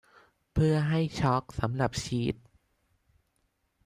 เพื่อให้ชอล์กสำหรับชีส